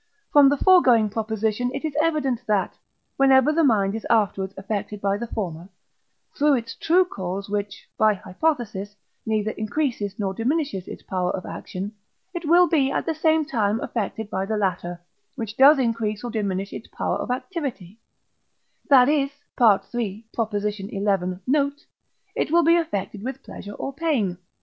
From the foregoing proposition it is evident that, whenever the mind is afterwards affected by the former, through its true cause, which (by hypothesis) neither increases nor diminishes its power of action, it will be at the same time affected by the latter, which does increase or diminish its power of activity, that is (III. xi. note) it will be affected with pleasure or pain.